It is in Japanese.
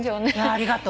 ありがとう。